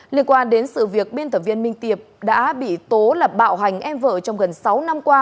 liên quan đến sự việc biên tập viên minh tiệp đã bị tố là bạo hành em vợ trong gần sáu năm qua